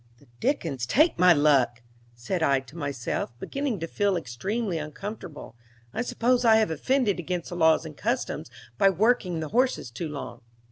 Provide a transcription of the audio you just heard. "The dickens take my luck!" said I to myself, beginning to feel extremely uncomfortable. "I suppose I have offended against the laws and customs by working the horses too long."